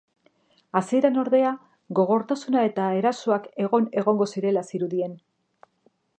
Hasieran, ordea, gogortasuna eta erasoak egon egongo zirela zirudien.